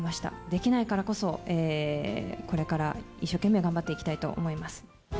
できないからこそ、これから一生懸命頑張っていきたいと思います。